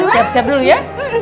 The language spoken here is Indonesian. siap siap dulu ya